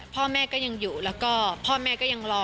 พ่อแม่ก็ยังอยู่แล้วก็พ่อแม่ก็ยังรอ